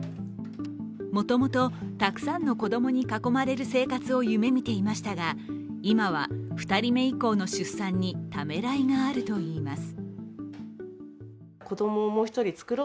もともとたくさんの子供に囲まれる生活を夢見ていましたが今は２人目以降の出産にためらいがあるといいます。